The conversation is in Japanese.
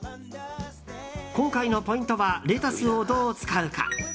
今回のポイントはレタスをどう使うか。